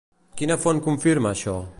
Quina font confirma això?